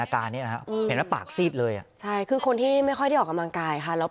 อาการนี้นะครับปากซีดเลยคือคนที่ไม่ค่อยได้ออกกำลังกายแล้ว